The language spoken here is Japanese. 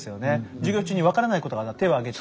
授業中に分からないことがあったら手を挙げて。